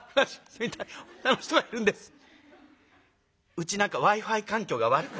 「うち何かＷｉ−Ｆｉ環境が悪くなってる？